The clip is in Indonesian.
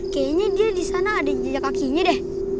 kayaknya dia disana ada jejak kakinya deh